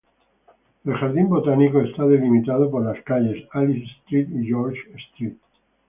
El jardín botánico está delimitado por las calles "Alice Street" y "George Street".